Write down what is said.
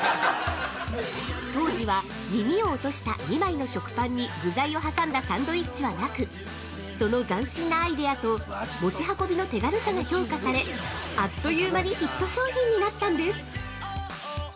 ◆当時は、耳を落とした２枚の食パンに具材を挟んだサンドイッチはなく、その斬新なアイデアと、持ち運びの手軽さが評価され、あっという間にヒット商品になったんです！